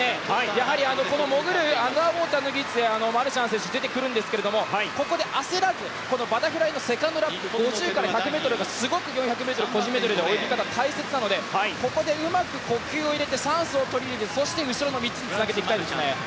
やはり、この潜るアンダーウォーターでマルシャン選手出てくるんですがここで焦らずこのバタフライのセカンドラップ５０ｍから１００ｍすごく４００ｍ個人メドレーで泳ぎ方、大切なのでここでうまく呼吸を入れて酸素を取り入れてそして後ろの３つにつなげていきたいですね。